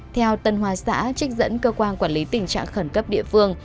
theo tân hoa xã trích dẫn cơ quan quản lý tình trạng khẩn cấp địa phương